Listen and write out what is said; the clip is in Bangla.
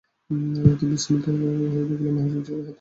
বিস্মিত হয়ে দেখলেন, মহসিন চেয়ারের হাতলে মাথা রেখে অকাতরে ঘুমুচ্ছে।